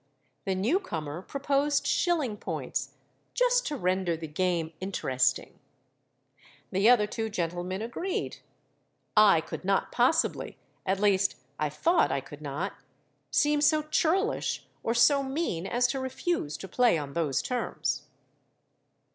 The new comer proposed shilling points, 'just to render the game interesting.' The other two gentlemen agreed: I could not possibly—at least, I thought I could not—seem so churlish or so mean as to refuse to play on those terms.